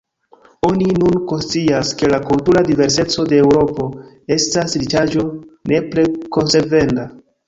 Oni nun konscias, ke la kultura diverseco de Eŭropo estas riĉaĵo nepre konservenda.